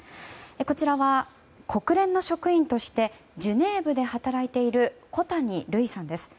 こちらは国連の職員としてジュネーブで働いている小谷瑠以さんです。